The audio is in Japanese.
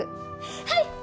はい！